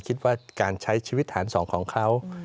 คิดว่าการใช้ชีวิตฐานสองของเขา